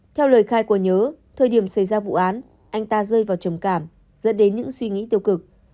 theo lời khai của nhớ thời điểm xảy ra vụ án anh ta rơi vào trầm cảm dẫn đến những suy nghĩ tiêu cực